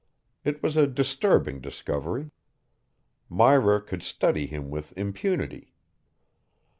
It was a disturbing discovery. Myra could study him with impunity.